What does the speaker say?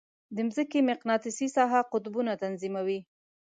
د مځکې مقناطیسي ساحه قطبونه تنظیموي.